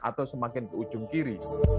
atau semakin ke ujung kiri